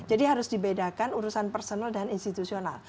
harus dibedakan urusan personal dan institusional